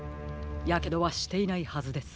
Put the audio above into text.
ヤケドはしていないはずです。